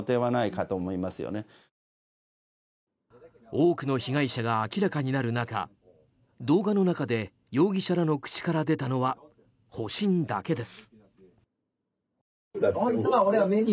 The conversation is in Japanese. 多くの被害者が明らかになる中動画の中で、容疑者らの口から出たのは保身だけです。